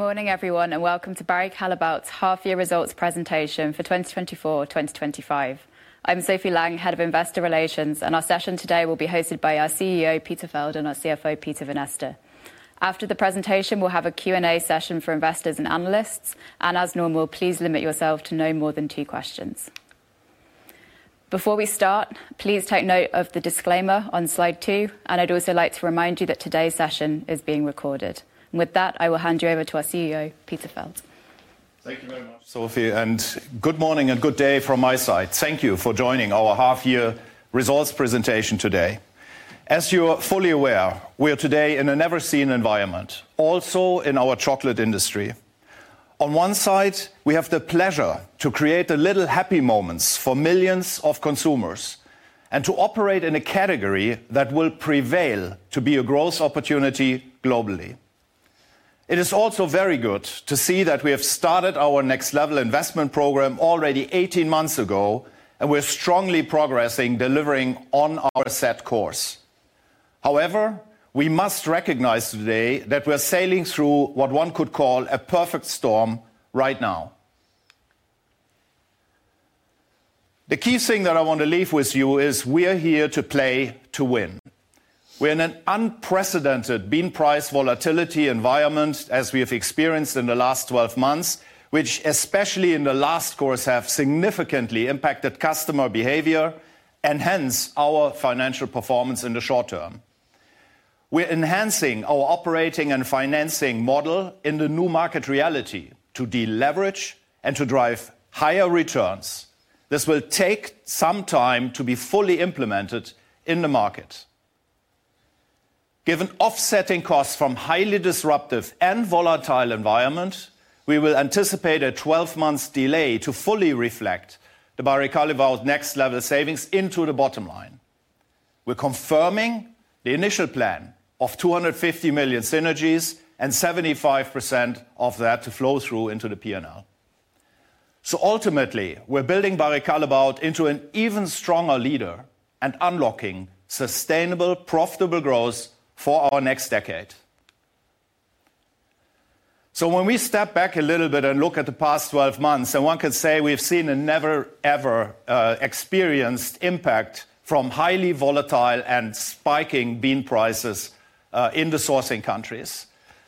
Good morning, everyone, and welcome to Barry Callebaut's half-year results presentation for 2024-2025. I'm Sophie Lang, Head of Investor Relations, and our session today will be hosted by our CEO, Peter Feld, and our CFO, Peter Vanneste. After the presentation, we'll have a Q&A session for investors and analysts, and as normal, please limit yourself to no more than two questions. Before we start, please take note of the disclaimer on slide two, and I'd also like to remind you that today's session is being recorded. With that, I will hand you over to our CEO, Peter Feld. Thank you very much, Sophie, and good morning and good day from my side. Thank you for joining our half-year results presentation today. As you are fully aware, we are today in a never-seen environment, also in our chocolate industry. On one side, we have the pleasure to create a little happy moments for millions of consumers and to operate in a category that will prevail to be a growth opportunity globally. It is also very good to see that we have started our next-level investment program already 18 months ago, and we're strongly progressing, delivering on our set course. However, we must recognize today that we are sailing through what one could call a perfect storm right now. The key thing that I want to leave with you is we are here to play to win. We're in an unprecedented bean price volatility environment, as we have experienced in the last 12 months, which, especially in the last course, have significantly impacted customer behavior and hence our financial performance in the short term. We're enhancing our operating and financing model in the new market reality to deleverage and to drive higher returns. This will take some time to be fully implemented in the market. Given offsetting costs from a highly disruptive and volatile environment, we will anticipate a 12-month delay to fully reflect the Barry Callebaut next-level savings into the bottom line. We're confirming the initial plan of $250 million synergies and 75% of that to flow through into the P&L. Ultimately, we're building Barry Callebaut into an even stronger leader and unlocking sustainable, profitable growth for our next decade. When we step back a little bit and look at the past 12 months, one could say we've seen a never-ever experienced impact from highly volatile and spiking bean prices in the sourcing countries.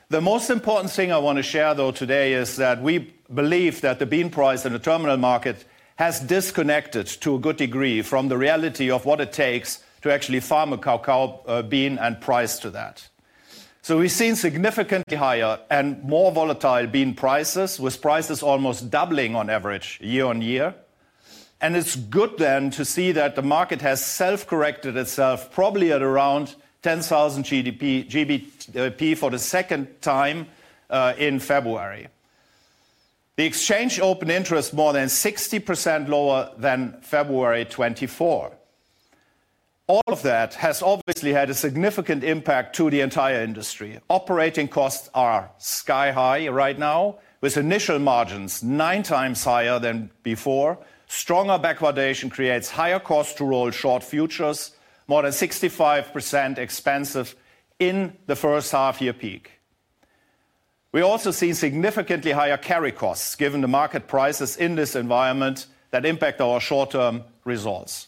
The most important thing I want to share, though, today is that we believe that the bean price in the terminal market has disconnected to a good degree from the reality of what it takes to actually farm a cacao bean and price to that. We've seen significantly higher and more volatile bean prices, with prices almost doubling on average year on year. It's good then to see that the market has self-corrected itself, probably at around 10,000 GBP for the second time in February. The exchange open interest is more than 60% lower than February 2024. All of that has obviously had a significant impact on the entire industry. Operating costs are sky-high right now, with initial margins nine times higher than before. Stronger backwardation creates higher costs to roll short futures, more than 65% expensive in the first half-year peak. We also see significantly higher carry costs, given the market prices in this environment that impact our short-term results.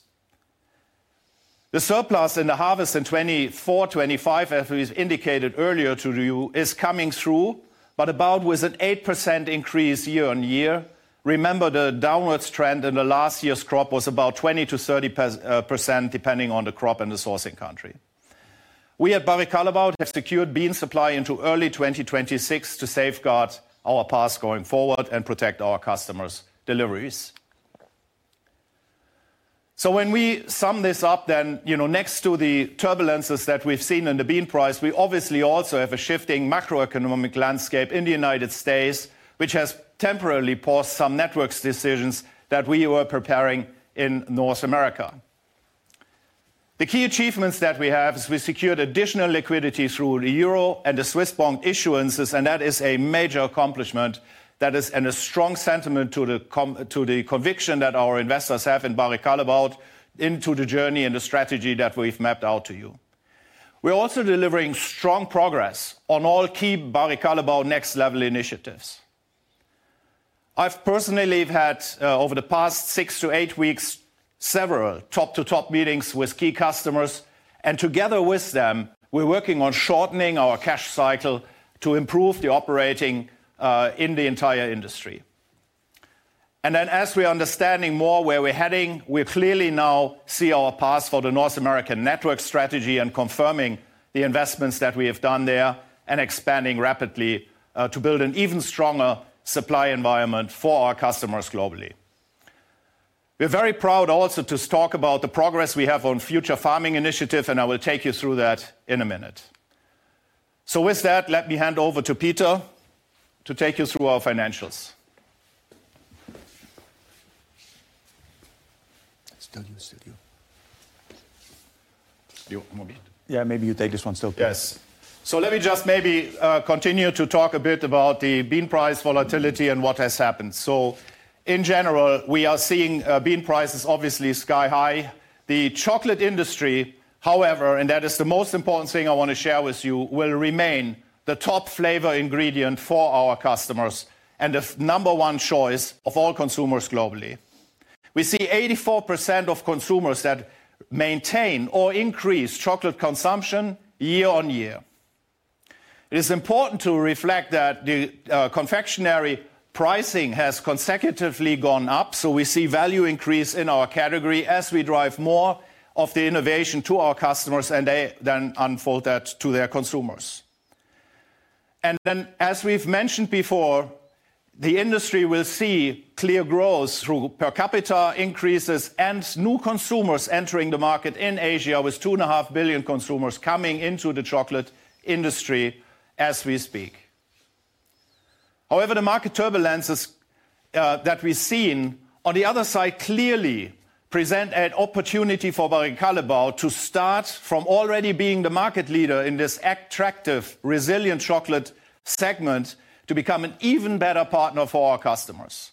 The surplus in the harvest in 2024-2025, as we've indicated earlier to you, is coming through, but about with an 8% increase year on year. Remember, the downward trend in the last year's crop was about 20%-30%, depending on the crop and the sourcing country. We at Barry Callebaut have secured bean supply into early 2026 to safeguard our paths going forward and protect our customers' deliveries. When we sum this up, then next to the turbulences that we've seen in the bean price, we obviously also have a shifting macroeconomic landscape in the United States, which has temporarily paused some network decisions that we were preparing in North America. The key achievements that we have is we secured additional liquidity through the euro and the Swiss bond issuances, and that is a major accomplishment. That is a strong sentiment to the conviction that our investors have in Barry Callebaut into the journey and the strategy that we've mapped out to you. We're also delivering strong progress on all key Barry Callebaut next-level initiatives. I've personally had, over the past six to eight weeks, several top-to-top meetings with key customers, and together with them, we're working on shortening our cash cycle to improve the operating in the entire industry. As we're understanding more where we're heading, we clearly now see our path for the North American network strategy and confirming the investments that we have done there and expanding rapidly to build an even stronger supply environment for our customers globally. We're very proud also to talk about the progress we have on future farming initiatives, and I will take you through that in a minute. With that, let me hand over to Peter to take you through our financials. Still you, still you. Yeah, maybe you take this one still. Yes. Let me just maybe continue to talk a bit about the bean price volatility and what has happened. In general, we are seeing bean prices obviously sky-high. The chocolate industry, however, and that is the most important thing I want to share with you, will remain the top flavor ingredient for our customers and the number one choice of all consumers globally. We see 84% of consumers that maintain or increase chocolate consumption year on year. It is important to reflect that the confectionery pricing has consecutively gone up, so we see value increase in our category as we drive more of the innovation to our customers and then unfold that to their consumers. As we've mentioned before, the industry will see clear growth through per capita increases and new consumers entering the market in Asia, with two and a half billion consumers coming into the chocolate industry as we speak. However, the market turbulences that we've seen on the other side clearly present an opportunity for Barry Callebaut to start from already being the market leader in this attractive, resilient chocolate segment to become an even better partner for our customers.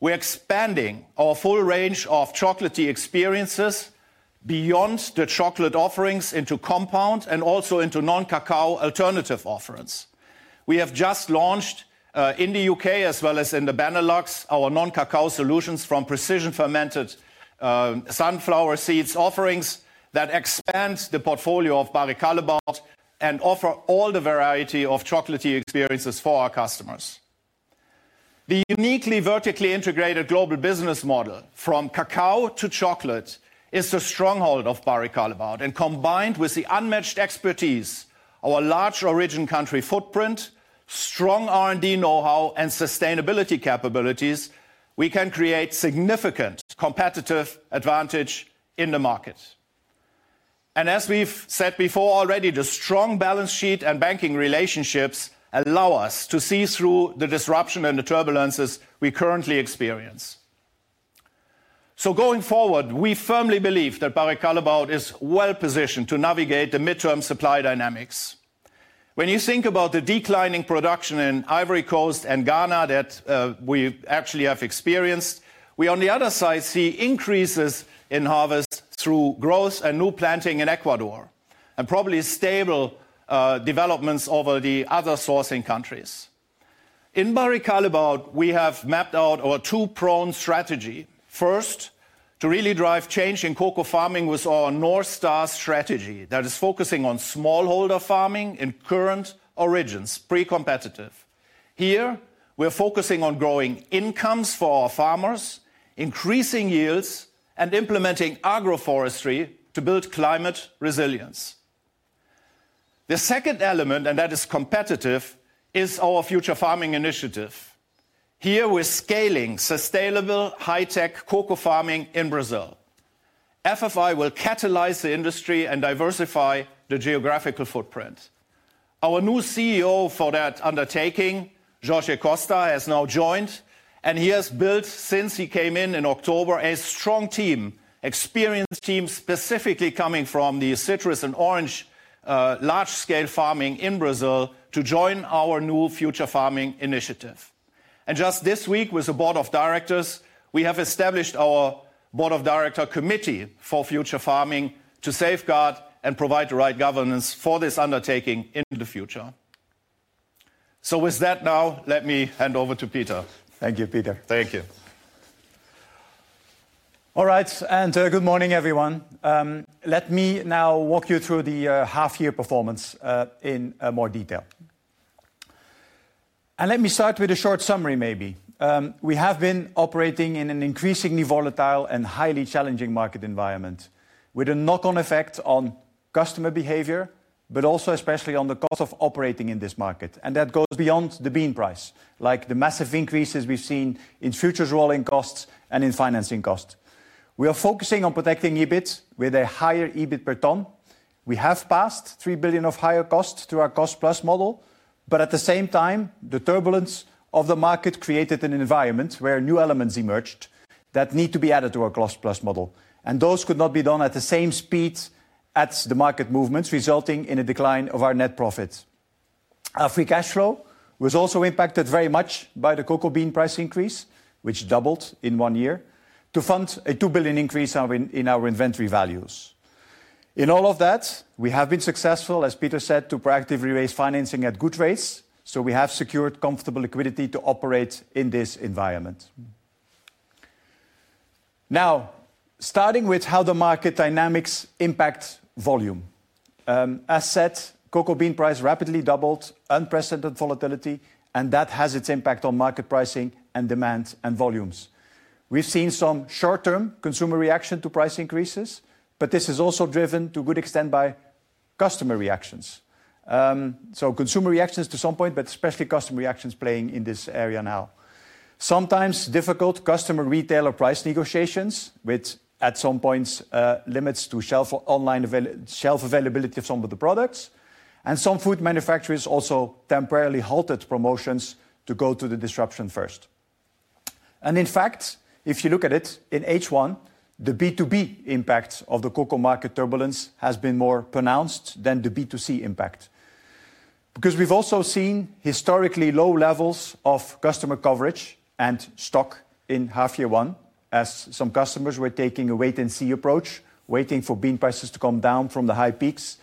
We're expanding our full range of chocolatey experiences beyond the chocolate offerings into compound and also into non-cacao alternative offerings. We have just launched in the U.K., as well as in the Benelux, our non-cacao solutions from precision-fermented sunflower seeds offerings that expand the portfolio of Barry Callebaut and offer all the variety of chocolatey experiences for our customers. The uniquely vertically integrated global business model from cacao to chocolate is the stronghold of Barry Callebaut, and combined with the unmatched expertise, our large origin country footprint, strong R&D know-how, and sustainability capabilities, we can create significant competitive advantage in the market. As we've said before already, the strong balance sheet and banking relationships allow us to see through the disruption and the turbulences we currently experience. Going forward, we firmly believe that Barry Callebaut is well-positioned to navigate the midterm supply dynamics. When you think about the declining production in Ivory Coast and Ghana that we actually have experienced, we on the other side see increases in harvest through growth and new planting in Ecuador and probably stable developments over the other sourcing countries. In Barry Callebaut, we have mapped out our two-pronged strategy. First, to really drive change in cocoa farming with our North Star strategy that is focusing on smallholder farming in current origins, pre-competitive. Here, we're focusing on growing incomes for our farmers, increasing yields, and implementing agroforestry to build climate resilience. The second element, and that is competitive, is our Future Farming Initiative. Here, we're scaling sustainable high-tech cocoa farming in Brazil. FFI will catalyze the industry and diversify the geographical footprint. Our new CEO for that undertaking, Jorge Costa, has now joined, and he has built since he came in in October a strong team, experienced team specifically coming from the citrus and orange large-scale farming in Brazil to join our new Future Farming Initiative. Just this week, with the board of directors, we have established our board of director committee for future farming to safeguard and provide the right governance for this undertaking in the future. With that, now let me hand over to Peter. Thank you, Peter. Thank you. All right, and good morning, everyone. Let me now walk you through the half-year performance in more detail. Let me start with a short summary, maybe. We have been operating in an increasingly volatile and highly challenging market environment with a knock-on effect on customer behavior, but also especially on the cost of operating in this market. That goes beyond the bean price, like the massive increases we have seen in futures rolling costs and in financing costs. We are focusing on protecting EBIT with a higher EBIT per ton. We have passed 3 billion of higher costs to our cost-plus model, but at the same time, the turbulence of the market created an environment where new elements emerged that need to be added to our cost-plus model. Those could not be done at the same speed as the market movements, resulting in a decline of our net profits. Our free cash flow was also impacted very much by the cocoa bean price increase, which doubled in one year to fund a $2 billion increase in our inventory values. In all of that, we have been successful, as Peter said, to proactively raise financing at good rates, so we have secured comfortable liquidity to operate in this environment. Now, starting with how the market dynamics impact volume. As said, cocoa bean price rapidly doubled, unprecedented volatility, and that has its impact on market pricing and demand and volumes. We've seen some short-term consumer reaction to price increases, but this is also driven to a good extent by customer reactions. Consumer reactions to some point, but especially customer reactions playing in this area now. Sometimes difficult customer retailer price negotiations with, at some points, limits to shelf availability of some of the products, and some food manufacturers also temporarily halted promotions to go to the disruption first. In fact, if you look at it in H1, the B2B impact of the cocoa market turbulence has been more pronounced than the B2C impact. Because we've also seen historically low levels of customer coverage and stock in half-year one, as some customers were taking a wait-and-see approach, waiting for bean prices to come down from the high peaks,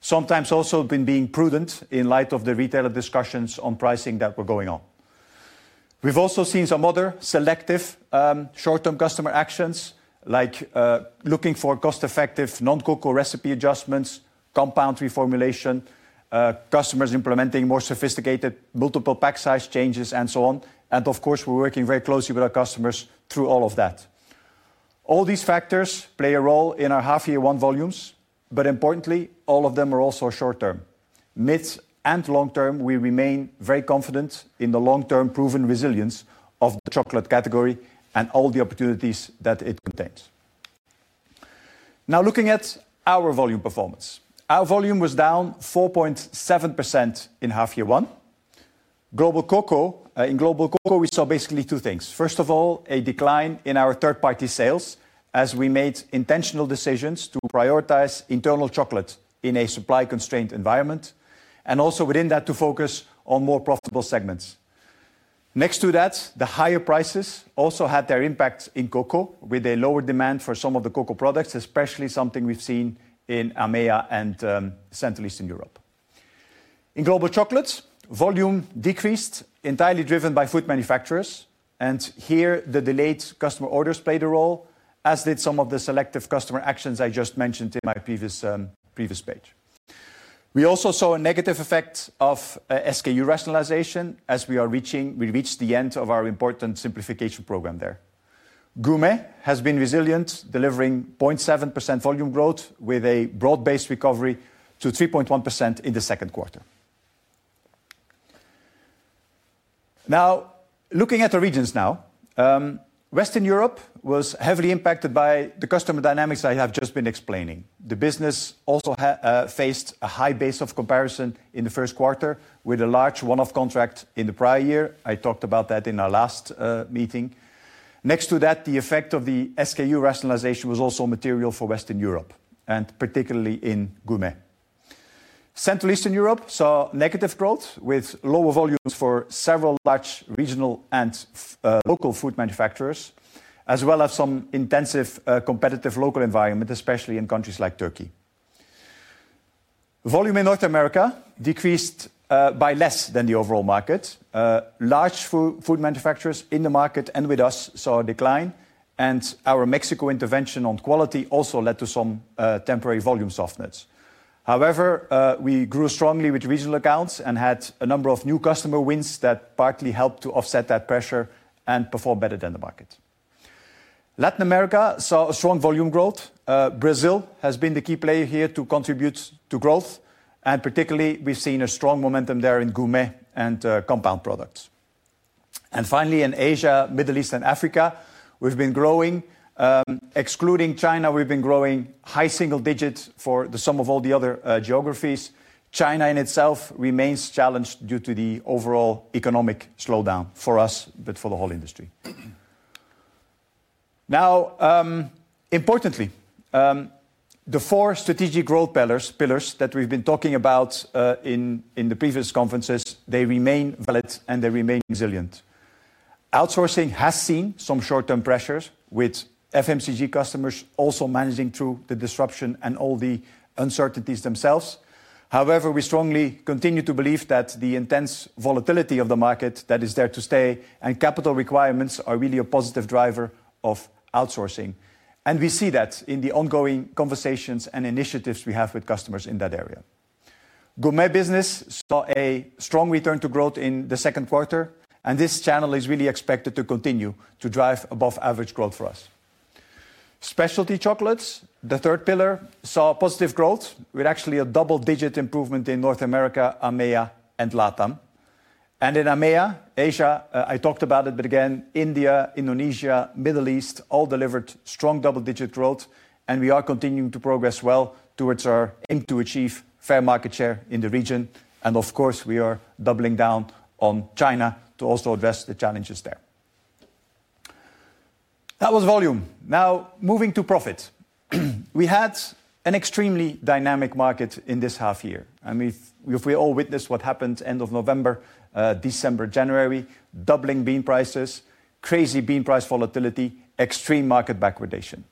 sometimes also being prudent in light of the retailer discussions on pricing that were going on. We've also seen some other selective short-term customer actions, like looking for cost-effective non-cocoa recipe adjustments, compound reformulation, customers implementing more sophisticated multiple pack size changes, and so on. Of course, we are working very closely with our customers through all of that. All these factors play a role in our half-year one volumes, but importantly, all of them are also short-term. Mid and long-term, we remain very confident in the long-term proven resilience of the chocolate category and all the opportunities that it contains. Now, looking at our volume performance, our volume was down 4.7% in half-year one. In global cocoa, we saw basically two things. First of all, a decline in our third-party sales as we made intentional decisions to prioritize internal chocolate in a supply-constrained environment, and also within that to focus on more profitable segments. Next to that, the higher prices also had their impact in cocoa with a lower demand for some of the cocoa products, especially something we've seen in Amea and Central Eastern Europe. In global chocolate, volume decreased entirely driven by food manufacturers, and here the delayed customer orders played a role, as did some of the selective customer actions I just mentioned in my previous page. We also saw a negative effect of SKU rationalization as we reached the end of our important simplification program there. Gourmet has been resilient, delivering 0.7% volume growth with a broad-based recovery to 3.1% in the second quarter. Now, looking at our regions now, Western Europe was heavily impacted by the customer dynamics I have just been explaining. The business also faced a high base of comparison in the first quarter with a large one-off contract in the prior year. I talked about that in our last meeting. Next to that, the effect of the SKU rationalization was also material for Western Europe, and particularly in Gourmet. Central Eastern Europe saw negative growth with lower volumes for several large regional and local food manufacturers, as well as some intensive competitive local environment, especially in countries like Turkey. Volume in North America decreased by less than the overall market. Large food manufacturers in the market and with us saw a decline, and our Mexico intervention on quality also led to some temporary volume softness. However, we grew strongly with regional accounts and had a number of new customer wins that partly helped to offset that pressure and perform better than the market. Latin America saw strong volume growth. Brazil has been the key player here to contribute to growth, and particularly, we have seen a strong momentum there in gourmet and compound products. Finally, in Asia, Middle East, and Africa, we have been growing. Excluding China, we have been growing high single digits for some of all the other geographies. China in itself remains challenged due to the overall economic slowdown for us, but for the whole industry. Now, importantly, the four strategic growth pillars that we've been talking about in the previous conferences, they remain valid and they remain resilient. Outsourcing has seen some short-term pressures, with FMCG customers also managing through the disruption and all the uncertainties themselves. However, we strongly continue to believe that the intense volatility of the market that is there to stay and capital requirements are really a positive driver of outsourcing. We see that in the ongoing conversations and initiatives we have with customers in that area. Gourmet business saw a strong return to growth in the second quarter, and this channel is really expected to continue to drive above-average growth for us. Specialty chocolates, the third pillar, saw positive growth with actually a double-digit improvement in North America, Amea, and Latam. In Amea, Asia, I talked about it, but again, India, Indonesia, Middle East, all delivered strong double-digit growth, and we are continuing to progress well towards our aim to achieve fair market share in the region. Of course, we are doubling down on China to also address the challenges there. That was volume. Now, moving to profit. We had an extremely dynamic market in this half year. I mean, if we all witnessed what happened end of November, December, January, doubling bean prices, crazy bean price volatility, extreme market backwardation.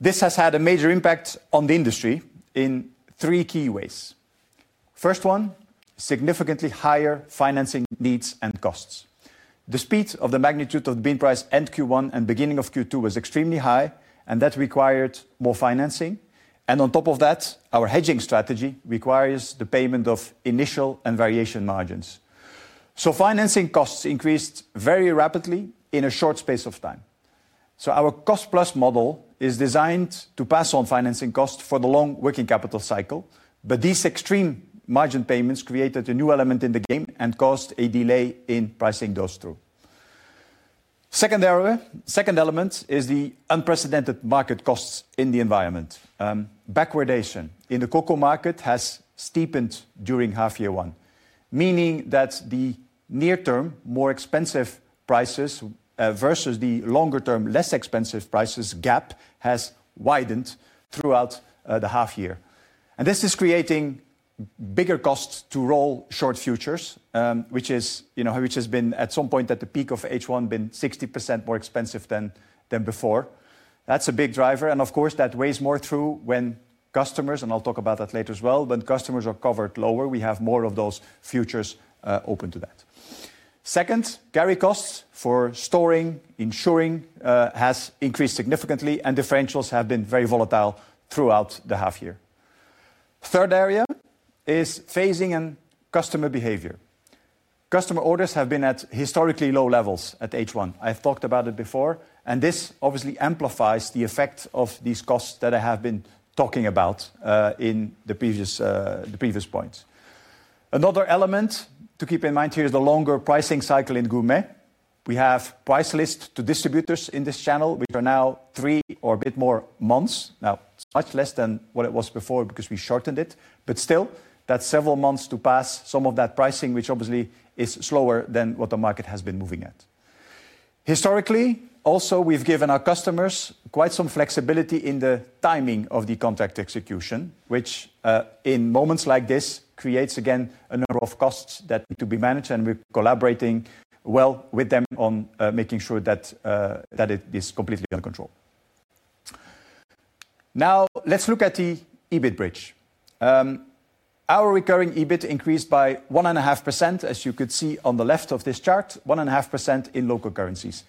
This has had a major impact on the industry in three key ways. First one, significantly higher financing needs and costs. The speed of the magnitude of the bean price end Q1 and beginning of Q2 was extremely high, and that required more financing. On top of that, our hedging strategy requires the payment of initial and variation margins. Financing costs increased very rapidly in a short space of time. Our cost-plus model is designed to pass on financing costs for the long working capital cycle, but these extreme margin payments created a new element in the game and caused a delay in pricing those through. The second element is the unprecedented market costs in the environment. Backwardation in the cocoa market has steepened during half-year one, meaning that the near-term more expensive prices versus the longer-term less expensive prices gap has widened throughout the half-year. This is creating bigger costs to roll short futures, which has been at some point at the peak of H1 been 60% more expensive than before. That's a big driver. Of course, that weighs more through when customers, and I'll talk about that later as well, when customers are covered lower, we have more of those futures open to that. Second, carry costs for storing, insuring has increased significantly, and differentials have been very volatile throughout the half-year. Third area is phasing and customer behavior. Customer orders have been at historically low levels at H1. I've talked about it before, and this obviously amplifies the effect of these costs that I have been talking about in the previous points. Another element to keep in mind here is the longer pricing cycle in gourmet. We have price lists to distributors in this channel, which are now three or a bit more months. Now, it's much less than what it was before because we shortened it, but still, that's several months to pass some of that pricing, which obviously is slower than what the market has been moving at. Historically, also, we've given our customers quite some flexibility in the timing of the contract execution, which in moments like this creates again a number of costs that need to be managed, and we're collaborating well with them on making sure that it is completely under control. Now, let's look at the EBIT bridge. Our recurring EBIT increased by 1.5%, as you could see on the left of this chart, 1.5% in local currencies,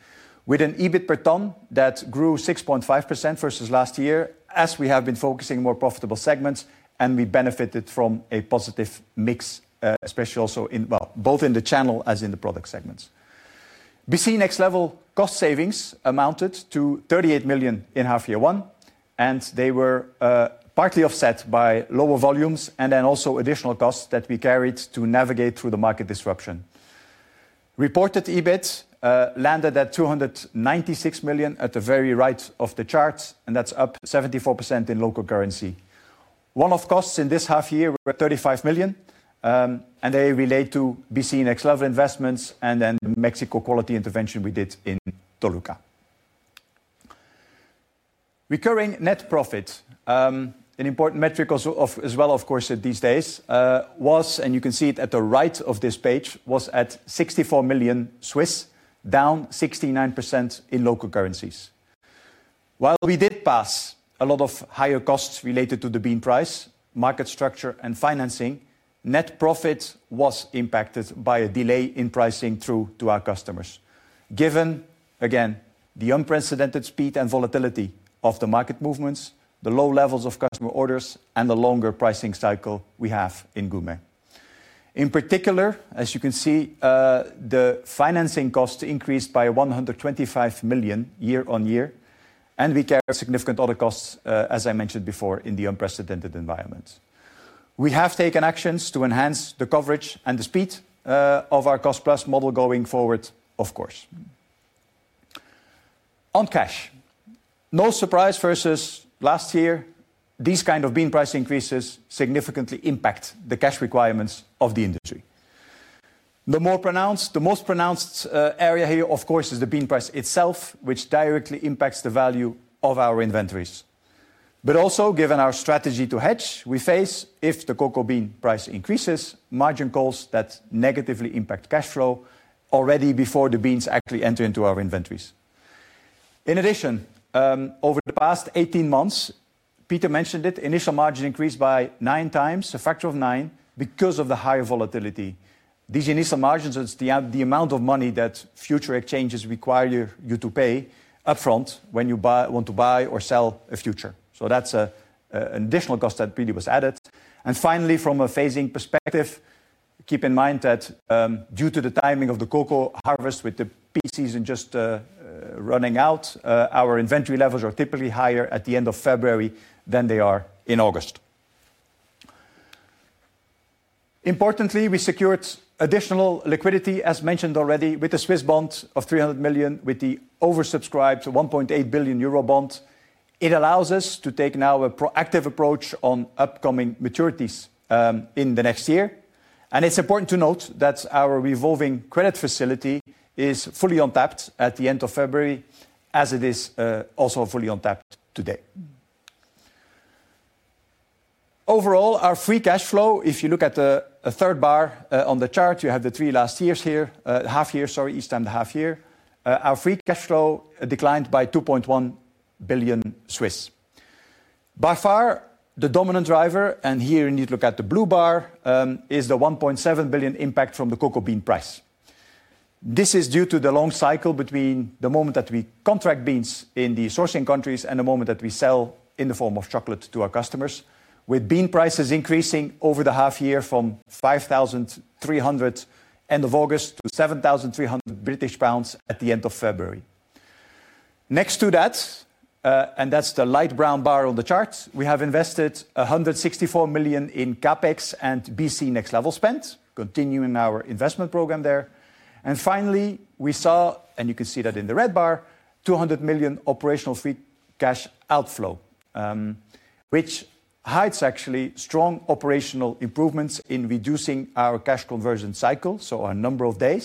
with an EBIT per ton that grew 6.5% versus last year as we have been focusing on more profitable segments, and we benefited from a positive mix, especially also in both in the channel as in the product segments. BC Next Level cost savings amounted to 38 million in half-year one, and they were partly offset by lower volumes and then also additional costs that we carried to navigate through the market disruption. Reported EBIT landed at 296 million at the very right of the chart, and that's up 74% in local currency. One-off costs in this half-year were 35 million, and they relate to BC Next Level investments and then the Mexico quality intervention we did in Toluca. Recurring net profit, an important metric as well, of course, these days was, and you can see it at the right of this page, was at 64 million, down 69% in local currencies. While we did pass a lot of higher costs related to the bean price, market structure, and financing, net profit was impacted by a delay in pricing through to our customers, given, again, the unprecedented speed and volatility of the market movements, the low levels of customer orders, and the longer pricing cycle we have in gourmet. In particular, as you can see, the financing costs increased by 125 million year on year, and we carry significant other costs, as I mentioned before, in the unprecedented environment. We have taken actions to enhance the coverage and the speed of our cost-plus model going forward, of course. On cash, no surprise versus last year, these kinds of bean price increases significantly impact the cash requirements of the industry. The most pronounced area here, of course, is the bean price itself, which directly impacts the value of our inventories. Also, given our strategy to hedge, we face, if the cocoa bean price increases, margin calls that negatively impact cash flow already before the beans actually enter into our inventories. In addition, over the past 18 months, Peter mentioned it, initial margin increased by nine times, a factor of nine, because of the higher volatility. These initial margins, it is the amount of money that future exchanges require you to pay upfront when you want to buy or sell a future. That is an additional cost that really was added. Finally, from a phasing perspective, keep in mind that due to the timing of the cocoa harvest with the pea season just running out, our inventory levels are typically higher at the end of February than they are in August. Importantly, we secured additional liquidity, as mentioned already, with the Swiss bond of 300 million, with the oversubscribed 1.8 billion euro bond. It allows us to take now a proactive approach on upcoming maturities in the next year. It is important to note that our revolving credit facility is fully untapped at the end of February, as it is also fully untapped today. Overall, our free cash flow, if you look at the third bar on the chart, you have the three last years here, half-year, sorry, each time the half-year, our free cash flow declined by 2.1 billion. By far, the dominant driver, and here you need to look at the blue bar, is the 1.7 billion impact from the cocoa bean price. This is due to the long cycle between the moment that we contract beans in the sourcing countries and the moment that we sell in the form of chocolate to our customers, with bean prices increasing over the half-year from 5,300 end of August to 7,300 British pounds at the end of February. Next to that, and that is the light brown bar on the chart, we have invested 164 million in CapEx and BC Next Level spent, continuing our investment program there. Finally, we saw, and you can see that in the red bar, 200 million operational free cash outflow, which hides actually strong operational improvements in reducing our cash conversion cycle, so a number of days,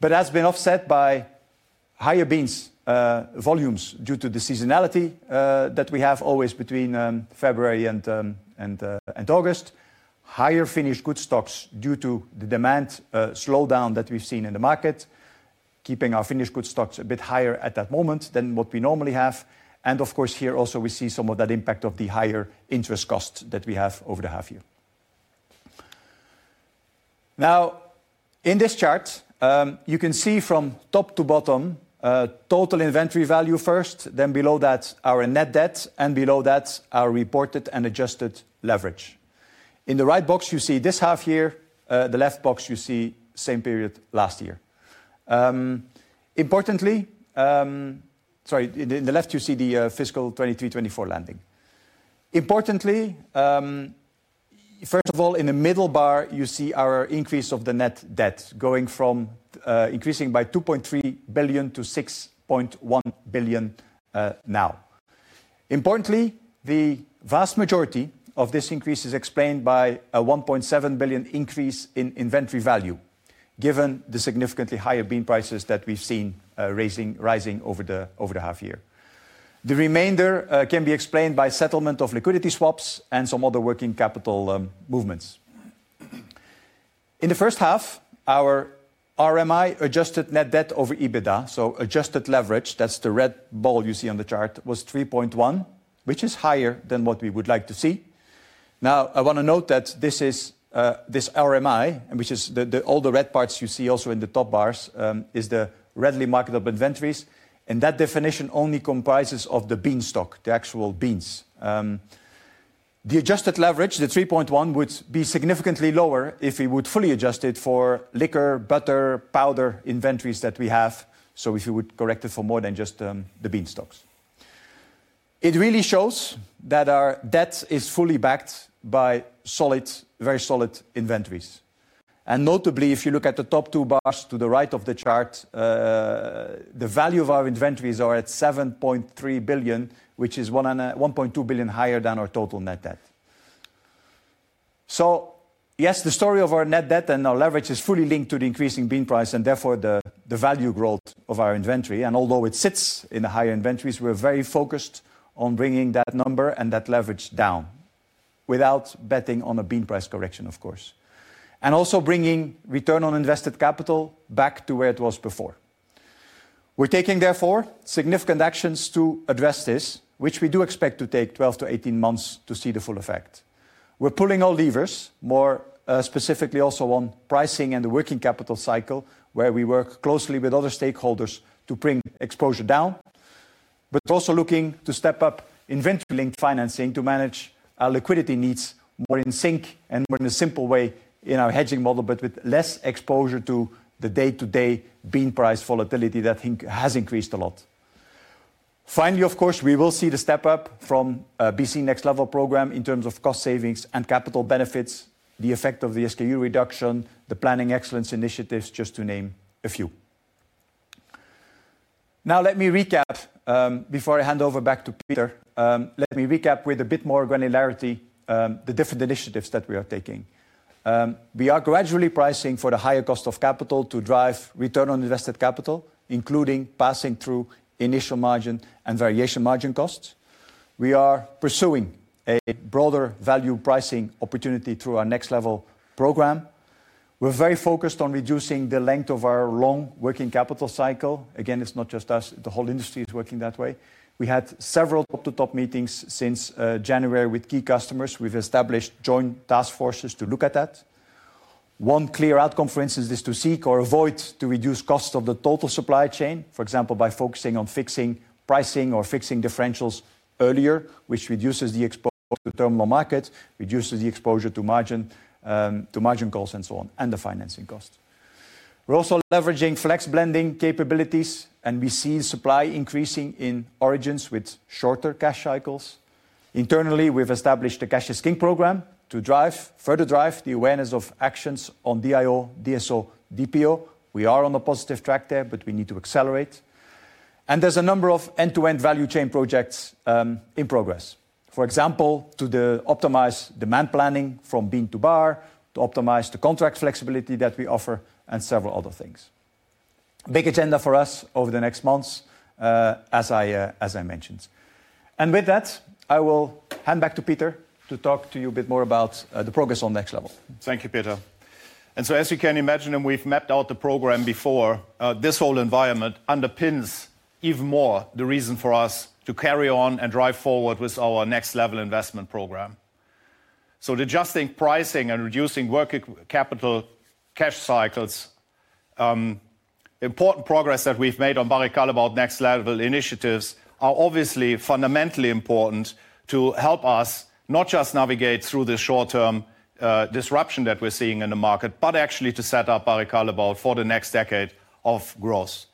but has been offset by higher beans volumes due to the seasonality that we have always between February and August, higher finished goods stocks due to the demand slowdown that we've seen in the market, keeping our finished goods stocks a bit higher at that moment than what we normally have. Of course, here also, we see some of that impact of the higher interest costs that we have over the half-year. In this chart, you can see from top to bottom, total inventory value first, then below that, our net debt, and below that, our reported and adjusted leverage. In the right box, you see this half-year; the left box, you see the same period last year. Importantly, sorry, in the left, you see the fiscal 2023-2024 landing. Importantly, first of all, in the middle bar, you see our increase of the net debt going from increasing by 2.3 billion to 6.1 billion now. Importantly, the vast majority of this increase is explained by a 1.7 billion increase in inventory value, given the significantly higher bean prices that we've seen rising over the half-year. The remainder can be explained by settlement of liquidity swaps and some other working capital movements. In the first half, our RMI adjusted net debt over EBITDA, so adjusted leverage, that's the red ball you see on the chart, was 3.1, which is higher than what we would like to see. Now, I want to note that this RMI, which is all the red parts you see also in the top bars, is the readily marketable inventories, and that definition only comprises of the bean stock, the actual beans. The adjusted leverage, the 3.1, would be significantly lower if we would fully adjust it for liquor, butter, powder inventories that we have, so if we would correct it for more than just the bean stocks. It really shows that our debt is fully backed by solid, very solid inventories. Notably, if you look at the top two bars to the right of the chart, the value of our inventories are at 7.3 billion, which is 1.2 billion higher than our total net debt. Yes, the story of our net debt and our leverage is fully linked to the increasing bean price and therefore the value growth of our inventory. Although it sits in the higher inventories, we're very focused on bringing that number and that leverage down without betting on a bean price correction, of course, and also bringing return on invested capital back to where it was before. We're taking, therefore, significant actions to address this, which we do expect to take 12 to 18 months to see the full effect. We're pulling all levers, more specifically also on pricing and the working capital cycle, where we work closely with other stakeholders to bring exposure down, but also looking to step up inventory-linked financing to manage our liquidity needs more in sync and more in a simple way in our hedging model, but with less exposure to the day-to-day bean price volatility that has increased a lot. Finally, of course, we will see the step up from BC Next Level program in terms of cost savings and capital benefits, the effect of the SKU reduction, the planning excellence initiatives, just to name a few. Now, let me recap before I hand over back to Peter. Let me recap with a bit more granularity the different initiatives that we are taking. We are gradually pricing for the higher cost of capital to drive return on invested capital, including passing through initial margin and variation margin costs. We are pursuing a broader value pricing opportunity through our Next Level program. We're very focused on reducing the length of our long working capital cycle. Again, it's not just us; the whole industry is working that way. We had several top-to-top meetings since January with key customers. We've established joint task forces to look at that. One clear outcome, for instance, is to seek or avoid to reduce costs of the total supply chain, for example, by focusing on fixing pricing or fixing differentials earlier, which reduces the exposure to terminal market, reduces the exposure to margin calls, and so on, and the financing costs. We're also leveraging flex blending capabilities, and we see supply increasing in origins with shorter cash cycles. Internally, we've established the cash escape program to further drive the awareness of actions on DIO, DSO, DPO. We are on a positive track there, but we need to accelerate. There is a number of end-to-end value chain projects in progress, for example, to optimize demand planning from bean to bar, to optimize the contract flexibility that we offer, and several other things. Big agenda for us over the next months, as I mentioned. With that, I will hand back to Peter to talk to you a bit more about the progress on Next Level. Thank you, Peter. As you can imagine, and we've mapped out the program before, this whole environment underpins even more the reason for us to carry on and drive forward with our Next Level investment program. Adjusting pricing and reducing working capital cash cycles, important progress that we've made on Barry Callebaut Next Level initiatives are obviously fundamentally important to help us not just navigate through the short-term disruption that we're seeing in the market, but actually to set up Barry Callebaut for the next decade of growth.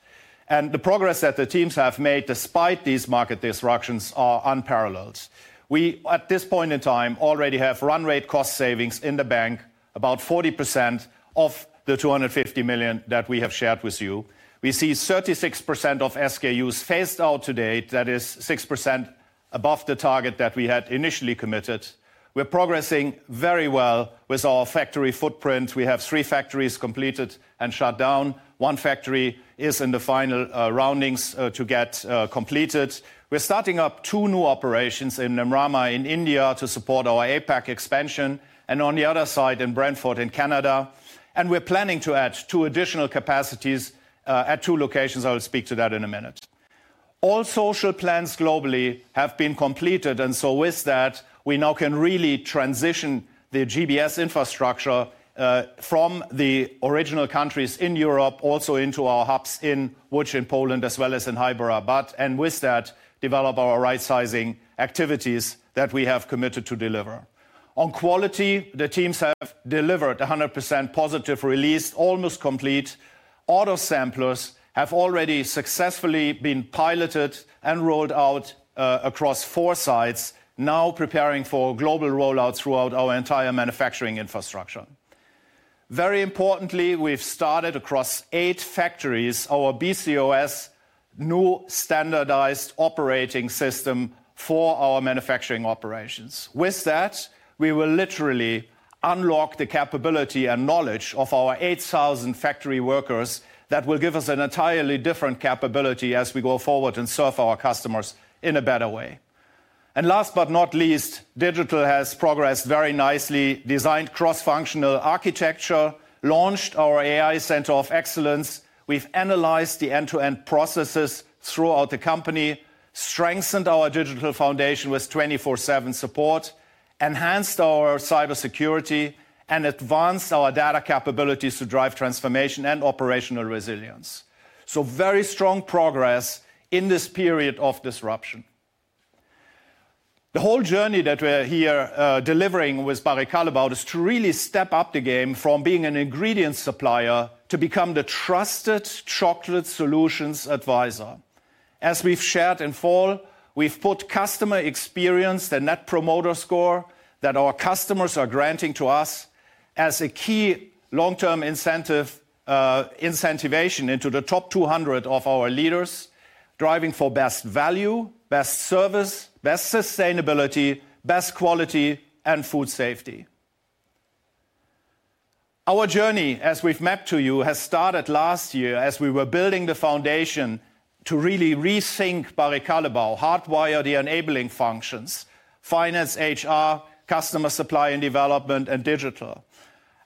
The progress that the teams have made despite these market disruptions are unparalleled. We, at this point in time, already have run rate cost savings in the bank, about 40% of the 250 million that we have shared with you. We see 36% of SKUs phased out to date, that is 6% above the target that we had initially committed. We're progressing very well with our factory footprint. We have three factories completed and shut down. One factory is in the final roundings to get completed. We're starting up two new operations in Nirmal in India to support our APAC expansion, and on the other side in Brantford in Canada. We are planning to add two additional capacities at two locations. I will speak to that in a minute. All social plans globally have been completed, and with that, we now can really transition the GBS infrastructure from the original countries in Europe also into our hubs in Łódź in Poland as well as in Chybie, but with that, develop our right-sizing activities that we have committed to deliver. On quality, the teams have delivered 100% positive release, almost complete. Auto samplers have already successfully been piloted and rolled out across four sites, now preparing for global rollout throughout our entire manufacturing infrastructure. Very importantly, we've started across eight factories our BCOS new standardized operating system for our manufacturing operations. With that, we will literally unlock the capability and knowledge of our 8,000 factory workers that will give us an entirely different capability as we go forward and serve our customers in a better way. Last but not least, digital has progressed very nicely, designed cross-functional architecture, launched our AI Center of Excellence. We have analyzed the end-to-end processes throughout the company, strengthened our digital foundation with 24/7 support, enhanced our cybersecurity, and advanced our data capabilities to drive transformation and operational resilience. Very strong progress in this period of disruption. The whole journey that we are here delivering with Barry Callebaut is to really step up the game from being an ingredient supplier to become the trusted chocolate solutions advisor. As we have shared in fall, we have put customer experience, the Net Promoter Score that our customers are granting to us as a key long-term incentive incentivization into the top 200 of our leaders, driving for best value, best service, best sustainability, best quality, and food safety. Our journey, as we've mapped to you, has started last year as we were building the foundation to really rethink Barry Callebaut, hardwire the enabling functions, finance, HR, customer supply and development, and digital,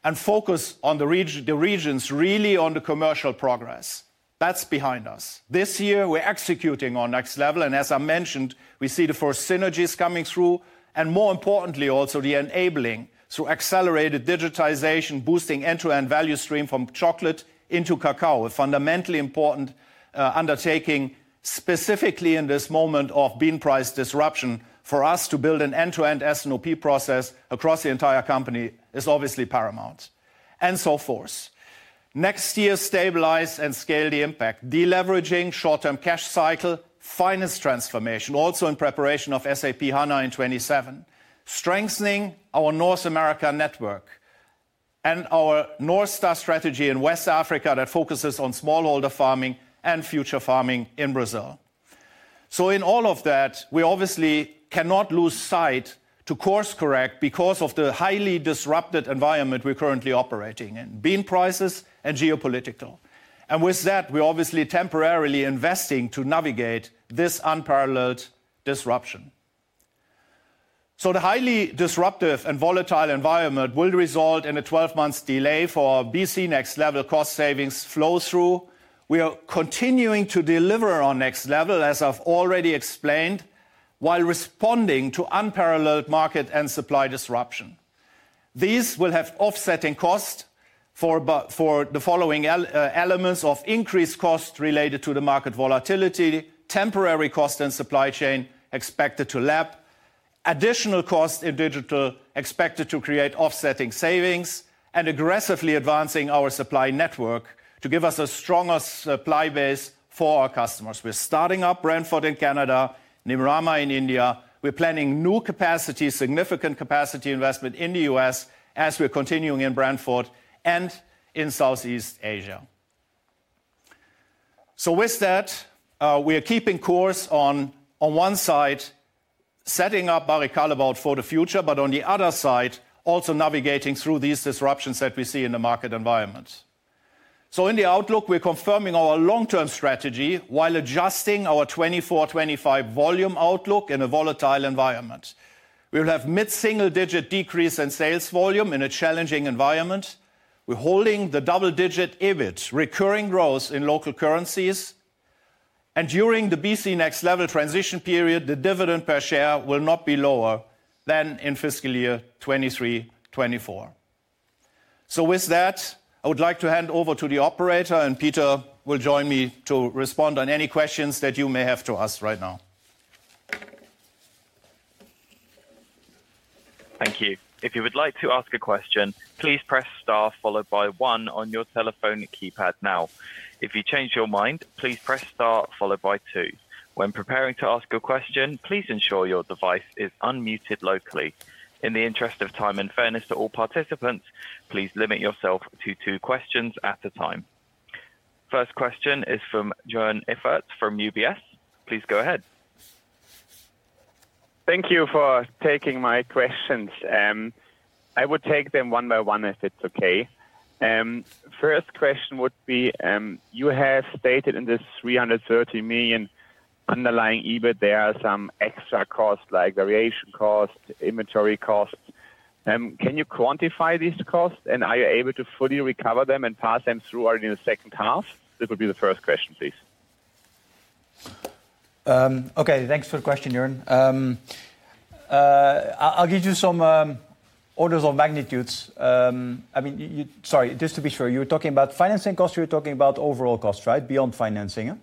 and focus on the regions, really on the commercial progress. That's behind us. This year, we're executing on Next Level, and as I mentioned, we see the first synergies coming through, and more importantly, also the enabling through accelerated digitization, boosting end-to-end value stream from chocolate into cacao, a fundamentally important undertaking specifically in this moment of bean price disruption for us to build an end-to-end S&OP process across the entire company is obviously paramount, and so forth. Next year, stabilize and scale the impact, deleveraging short-term cash cycle, finance transformation, also in preparation of SAP HANA in 2027, strengthening our North America network, and our North Star strategy in West Africa that focuses on smallholder farming and future farming in Brazil. In all of that, we obviously cannot lose sight to course correct because of the highly disrupted environment we're currently operating in, bean prices and geopolitical. With that, we're obviously temporarily investing to navigate this unparalleled disruption. The highly disruptive and volatile environment will result in a 12-month delay for BC Next Level cost savings flow-through. We are continuing to deliver on Next Level, as I've already explained, while responding to unparalleled market and supply disruption. These will have offsetting costs for the following elements of increased cost related to the market volatility, temporary cost and supply chain expected to lap, additional cost in digital expected to create offsetting savings, and aggressively advancing our supply network to give us a stronger supply base for our customers. We are starting up Brantford in Canada, Nirmal in India. We are planning new capacity, significant capacity investment in the U.S. as we are continuing in Brantford and in Southeast Asia. With that, we are keeping course on one side, setting up Barry Callebaut for the future, but on the other side, also navigating through these disruptions that we see in the market environment. In the outlook, we are confirming our long-term strategy while adjusting our 2024-2025 volume outlook in a volatile environment. We will have mid-single-digit decrease in sales volume in a challenging environment. We're holding the double-digit EBIT, recurring growth in local currencies. During the BC Next Level transition period, the dividend per share will not be lower than in fiscal year 2023-2024. With that, I would like to hand over to the operator, and Peter will join me to respond on any questions that you may have to us right now. Thank you. If you would like to ask a question, please press Star followed by 1 on your telephone keypad now. If you change your mind, please press Star followed by 2. When preparing to ask a question, please ensure your device is unmuted locally. In the interest of time and fairness to all participants, please limit yourself to two questions at a time. First question is from Joern Iffert from UBS. Please go ahead. Thank you for taking my questions. I would take them one by one if it's okay. First question would be, you have stated in this $330 million underlying EBIT, there are some extra costs like variation cost, inventory costs. Can you quantify these costs, and are you able to fully recover them and pass them through already in the second half? That would be the first question, please. Okay, thanks for the question, Joern. I'll give you some orders of magnitudes. I mean, sorry, just to be sure, you were talking about financing costs or you were talking about overall costs, right, beyond financing?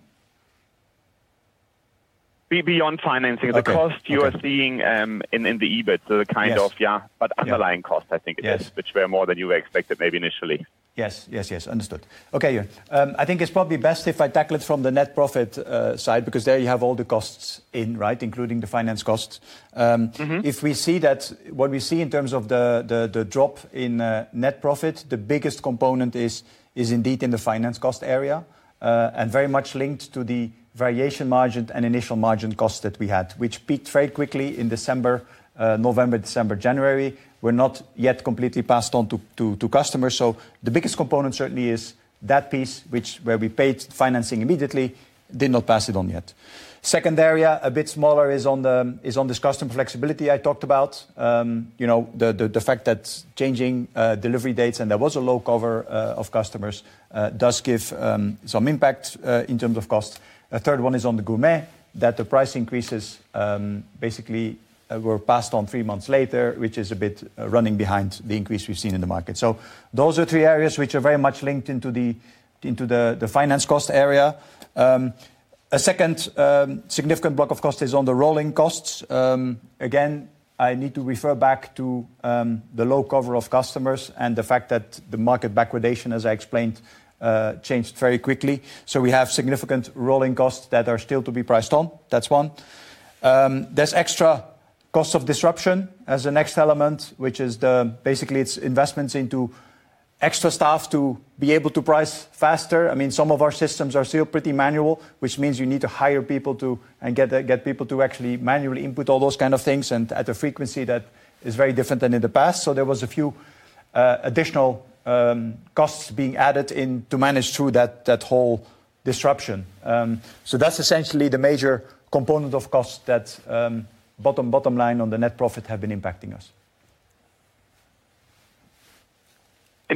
Beyond financing. The cost you are seeing in the EBIT, the kind of, yeah, but underlying cost, I think it is, which were more than you expected maybe initially. Yes, yes, yes, understood. Okay, Joern, I think it's probably best if I tackle it from the net profit side because there you have all the costs in, right, including the finance costs. If we see that what we see in terms of the drop in net profit, the biggest component is indeed in the finance cost area and very much linked to the variation margin and initial margin costs that we had, which peaked very quickly in November, December, January. We're not yet completely passed on to customers. The biggest component certainly is that piece, which where we paid financing immediately, did not pass it on yet. Second area, a bit smaller, is on this customer flexibility I talked about, the fact that changing delivery dates and there was a low cover of customers does give some impact in terms of cost. A third one is on the gourmet that the price increases basically were passed on three months later, which is a bit running behind the increase we've seen in the market. Those are three areas which are very much linked into the finance cost area. A second significant block of cost is on the rolling costs. Again, I need to refer back to the low cover of customers and the fact that the market backwardation, as I explained, changed very quickly. We have significant rolling costs that are still to be priced on. That's one. There's extra cost of disruption as the next element, which is basically it's investments into extra staff to be able to price faster. I mean, some of our systems are still pretty manual, which means you need to hire people to and get people to actually manually input all those kind of things and at a frequency that is very different than in the past. There were a few additional costs being added to manage through that whole disruption. That's essentially the major component of costs that bottom line on the net profit have been impacting us.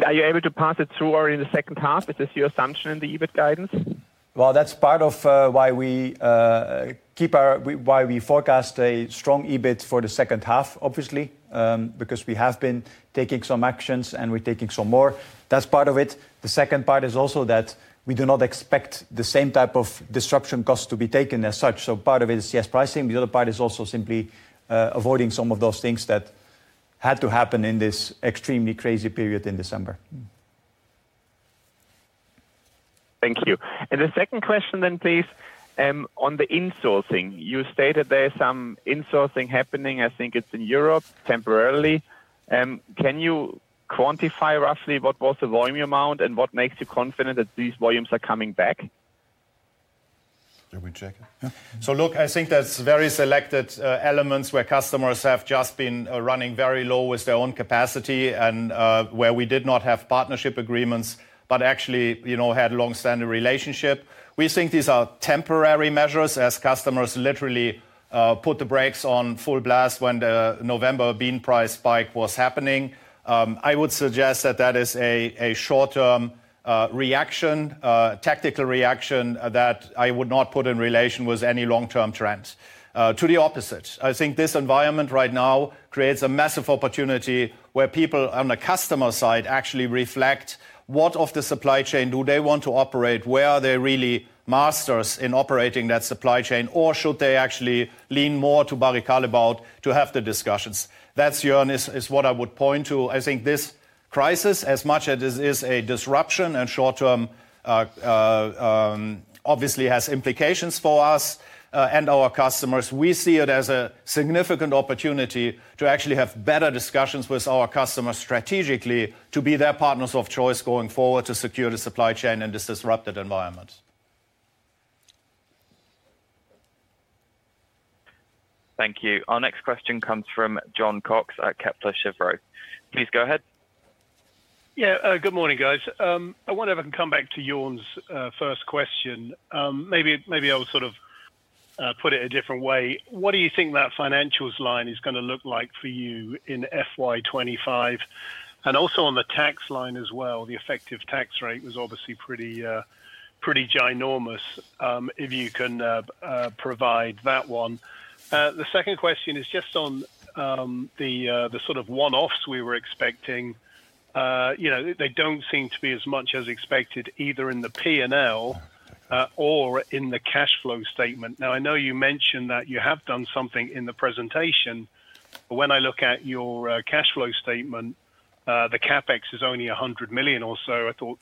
Are you able to pass it through already in the second half? Is this your assumption in the EBIT guidance? That's part of why we keep our why we forecast a strong EBIT for the second half, obviously, because we have been taking some actions and we're taking some more. That's part of it. The second part is also that we do not expect the same type of disruption costs to be taken as such. Part of it is, yes, pricing. The other part is also simply avoiding some of those things that had to happen in this extremely crazy period in December. Thank you. The second question then, please, on the insourcing. You stated there's some insourcing happening. I think it's in Europe temporarily. Can you quantify roughly what was the volume amount and what makes you confident that these volumes are coming back? Let me check it. Look, I think that's very selected elements where customers have just been running very low with their own capacity and where we did not have partnership agreements, but actually had long-standing relationship. We think these are temporary measures as customers literally put the brakes on full blast when the November bean price spike was happening. I would suggest that that is a short-term reaction, tactical reaction that I would not put in relation with any long-term trends. To the opposite, I think this environment right now creates a massive opportunity where people on the customer side actually reflect what of the supply chain do they want to operate, where are they really masters in operating that supply chain, or should they actually lean more to Barry Callebaut to have the discussions. That is, Joern, what I would point to. I think this crisis, as much as it is a disruption and short-term, obviously has implications for us and our customers. We see it as a significant opportunity to actually have better discussions with our customers strategically to be their partners of choice going forward to secure the supply chain in this disrupted environment. Thank you. Our next question comes from Jon Cox at Kepler Cheuvreux. Please go ahead. Yeah, good morning, guys. I wonder if I can come back to Joern's first question. Maybe I'll sort of put it a different way. What do you think that financials line is going to look like for you in FY2025? And also on the tax line as well, the effective tax rate was obviously pretty ginormous if you can provide that one. The second question is just on the sort of one-offs we were expecting. They do not seem to be as much as expected either in the P&L or in the cash flow statement. Now, I know you mentioned that you have done something in the presentation, but when I look at your cash flow statement, the CapEx is only $100 million or so. I thought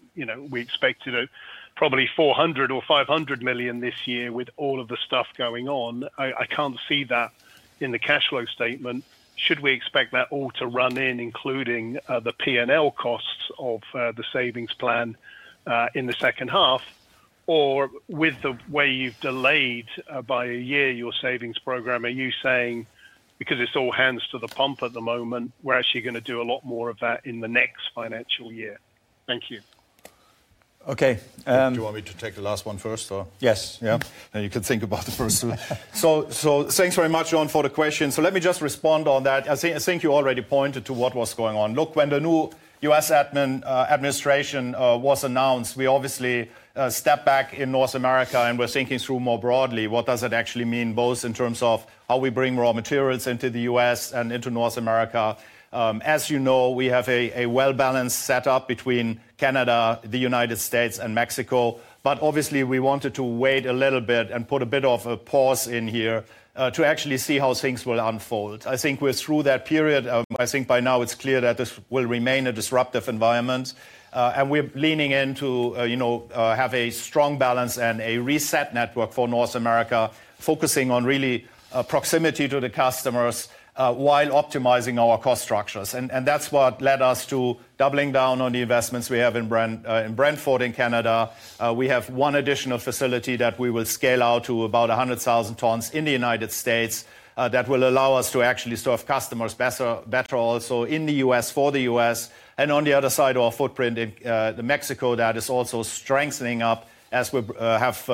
we expected probably $400 million or $500 million this year with all of the stuff going on. I can't see that in the cash flow statement. Should we expect that all to run in, including the P&L costs of the savings plan in the second half? With the way you've delayed by a year your savings program, are you saying, because it's all hands to the pump at the moment, we're actually going to do a lot more of that in the next financial year? Thank you. Okay. Do you want me to take the last one first or? Yes, yeah. Then you can think about the first one. Thank you very much, Joern, for the question. Let me just respond on that. I think you already pointed to what was going on. Look, when the new U.S. administration was announced, we obviously stepped back in North America and we're thinking through more broadly. What does that actually mean both in terms of how we bring raw materials into the U.S. and into North America? As you know, we have a well-balanced setup between Canada, the United States, and Mexico, but obviously we wanted to wait a little bit and put a bit of a pause in here to actually see how things will unfold. I think we're through that period. I think by now it's clear that this will remain a disruptive environment. We're leaning in to have a strong balance and a reset network for North America, focusing on really proximity to the customers while optimizing our cost structures. That is what led us to doubling down on the investments we have in Brantford in Canada. We have one additional facility that we will scale out to about 100,000 tons in the United States that will allow us to actually serve customers better also in the U.S. for the U.S. On the other side of our footprint in Mexico, that is also strengthening up as we have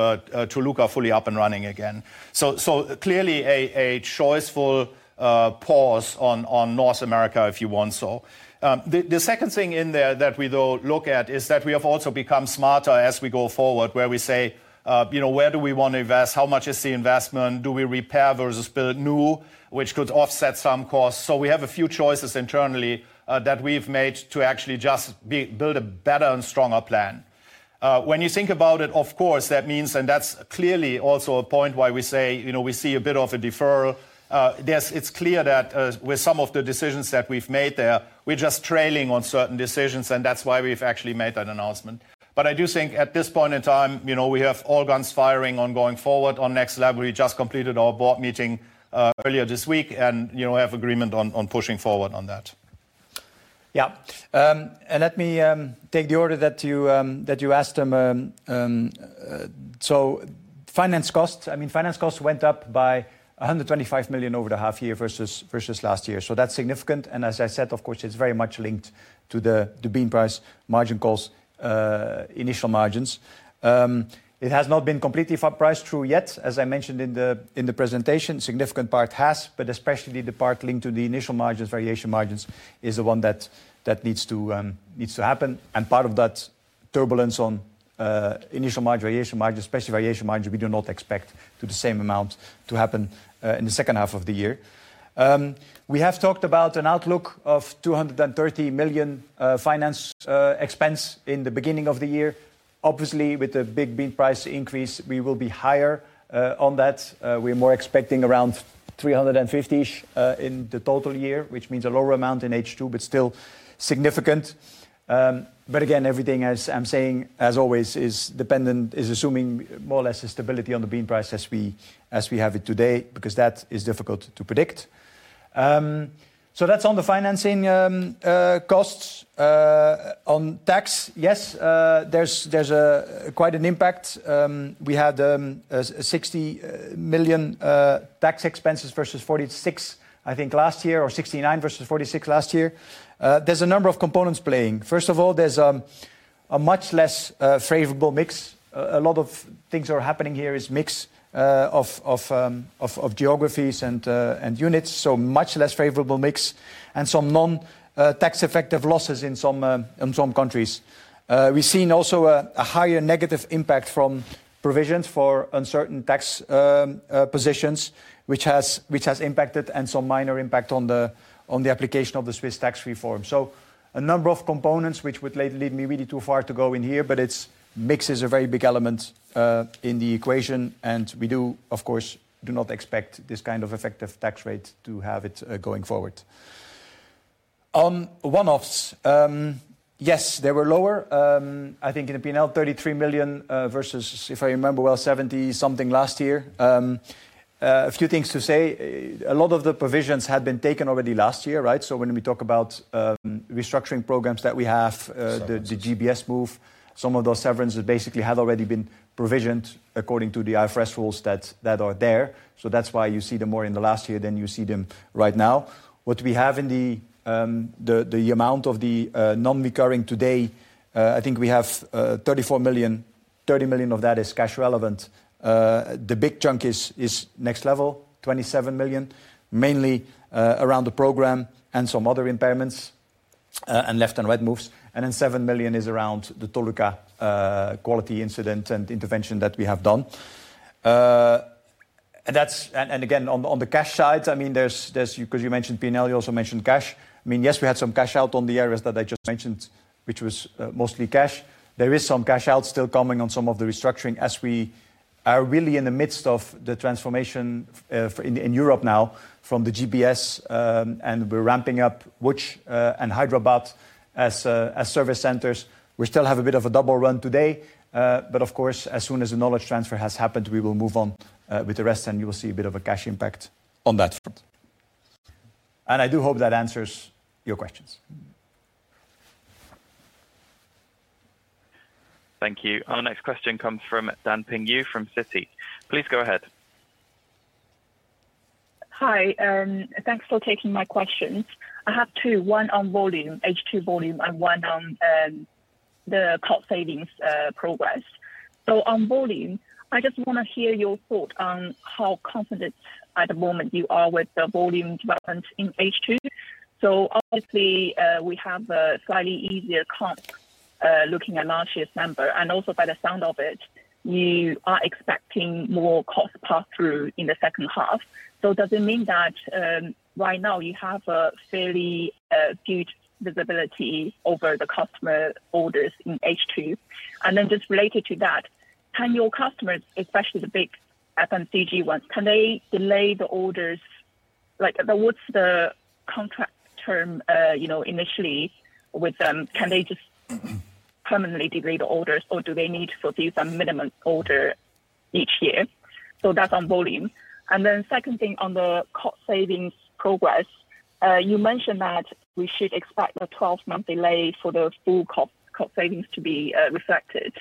Toluca fully up and running again. Clearly a choice for pause on North America if you want so. The second thing in there that we look at is that we have also become smarter as we go forward where we say, where do we want to invest? How much is the investment? Do we repair versus build new, which could offset some costs? We have a few choices internally that we've made to actually just build a better and stronger plan. When you think about it, of course, that means, and that's clearly also a point why we say we see a bit of a deferral. It's clear that with some of the decisions that we've made there, we're just trailing on certain decisions, and that's why we've actually made that announcement. I do think at this point in time, we have all guns firing on going forward on next level. We just completed our board meeting earlier this week and have agreement on pushing forward on that. Yeah. Let me take the order that you asked them. Finance costs, I mean, finance costs went up by $125 million over the half year versus last year. That's significant. As I said, of course, it is very much linked to the bean price margin costs, initial margins. It has not been completely priced through yet, as I mentioned in the presentation. A significant part has, but especially the part linked to the initial margins, variation margins is the one that needs to happen. Part of that turbulence on initial margin, variation margins, especially variation margins, we do not expect to the same amount to happen in the second half of the year. We have talked about an outlook of 230 million finance expense in the beginning of the year. Obviously, with the big bean price increase, we will be higher on that. We are more expecting around 350 million in the total year, which means a lower amount in H2, but still significant. Again, everything, as I'm saying, as always, is dependent, is assuming more or less a stability on the bean price as we have it today because that is difficult to predict. That is on the financing costs. On tax, yes, there is quite an impact. We had 60 million tax expenses versus 46 million, I think last year, or 69 million versus 46 million last year. There are a number of components playing. First of all, there is a much less favorable mix. A lot of things are happening here, it is mix of geographies and units, so much less favorable mix and some non-tax effective losses in some countries. We have seen also a higher negative impact from provisions for uncertain tax positions, which has impacted and some minor impact on the application of the Swiss tax reform. A number of components would lead me really too far to go in here, but mixes is a very big element in the equation. We do, of course, do not expect this kind of effective tax rate to have it going forward. On one-offs, yes, they were lower. I think in the P&L, $33 million versus, if I remember well, $70-something last year. A few things to say. A lot of the provisions had been taken already last year, right? When we talk about restructuring programs that we have, the GBS move, some of those severances basically had already been provisioned according to the IFRS rules that are there. That is why you see them more in the last year than you see them right now. What we have in the amount of the non-recurring today, I think we have $34 million. $30 million of that is cash relevant. The big chunk is Next Level, $27 million, mainly around the program and some other impairments and left and right moves. Then $7 million is around the Toluca quality incident and intervention that we have done. I mean, because you mentioned P&L, you also mentioned cash. I mean, yes, we had some cash out on the areas that I just mentioned, which was mostly cash. There is some cash out still coming on some of the restructuring as we are really in the midst of the transformation in Europe now from the GBS, and we're ramping up Łódź and Chybie as service centers. We still have a bit of a double run today, but of course, as soon as the knowledge transfer has happened, we will move on with the rest and you will see a bit of a cash impact on that front. I do hope that answers your questions. Thank you. Our next question comes from Danping Yu from Citi. Please go ahead. Hi. Thanks for taking my questions. I have two, one on volume, H2 volume, and one on the cost savings progress. On volume, I just want to hear your thought on how confident at the moment you are with the volume development in H2. Obviously, we have a slightly easier comp looking at last year's number. Also by the sound of it, you are expecting more cost pass-through in the second half. Does it mean that right now you have a fairly good visibility over the customer orders in H2? Just related to that, can your customers, especially the big FMCG ones, delay the orders? What's the contract term initially with them? Can they just permanently delay the orders or do they need to do some minimum order each year? That's on volume. The second thing on the cost savings progress, you mentioned that we should expect a 12-month delay for the full cost savings to be reflected